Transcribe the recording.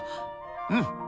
うん。